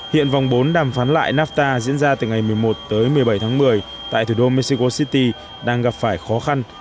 hiện vòng bốn đàm phán lại nafta diễn ra từ ngày một mươi một tới một mươi bảy tháng một mươi tại thủ đô mexico city đang gặp phải khó khăn